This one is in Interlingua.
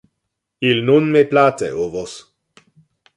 Il non me place ovos.